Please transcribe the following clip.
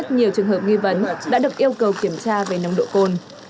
nhiều trường hợp nghi vấn đã được yêu cầu kiểm tra về nồng độ cồn